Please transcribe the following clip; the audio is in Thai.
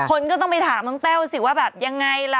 คนก็ต้องไปถามน้องแต้วสิว่าแบบยังไงล่ะ